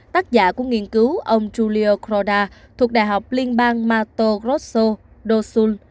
tác giả của nghiên cứu ông giulio croda thuộc đại học liên bang mato grosso dosul